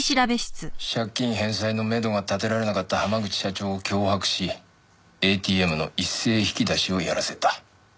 借金返済のめどが立てられなかった濱口社長を脅迫しＡＴＭの一斉引き出しをやらせた。